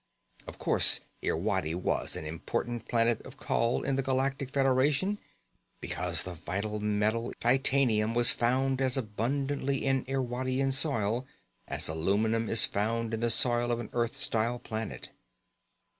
Of course, Irwadi was an important planet of call in the Galactic Federation because the vital metal titanium was found as abundantly in Irwadian soil as aluminum is found in the soil of an Earth style planet.